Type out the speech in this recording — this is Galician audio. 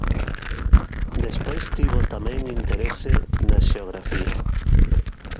Despois tivo tamén interese na xeografía.